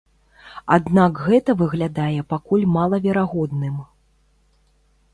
Аднак гэта выглядае пакуль малаверагодным.